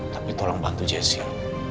tapi tolong bantu jessya